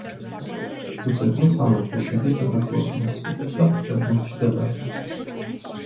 რუსებმა სამეფო ოჯახი საქართველოს მოსწყვიტეს და პეტერბურგში გადაასახლეს.